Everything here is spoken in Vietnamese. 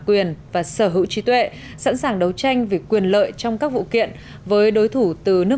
quyền và sở hữu trí tuệ sẵn sàng đấu tranh vì quyền lợi trong các vụ kiện với đối thủ từ nước